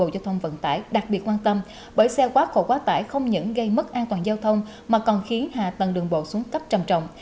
giao thông mà còn khiến hạ tầng đường bộ xuống cấp trầm trọng